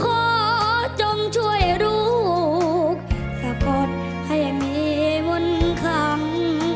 ขอจงช่วยลูกสะกดให้มีมนต์คำ